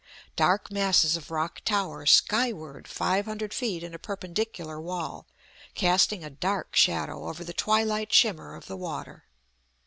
Dark masses of rock tower skyward five hundred feet in a perpendicular wall, casting a dark shadow over the twilight shimmer of the water.